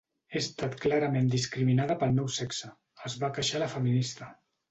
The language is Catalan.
"He estat clarament discriminada pel meu sexe" es va queixar la feminista.